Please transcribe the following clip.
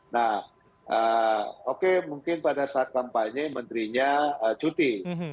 nah oke mungkin pada saat kampanye menterinya cuti